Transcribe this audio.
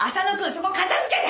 そこ片付けて！